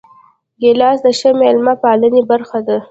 ګیلاس د ښه میلمه پالنې برخه ده.